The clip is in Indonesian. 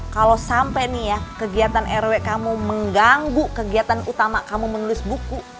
kalau sampai nih ya kegiatan rw kamu mengganggu kegiatan utama kamu menulis buku